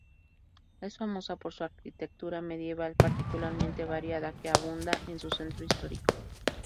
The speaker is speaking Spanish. Es famosa por su arquitectura medieval, particularmente variada, que abunda en su Centro Histórico.